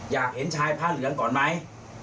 อยากเห็นชายผ้าเหลืองก่อนไหม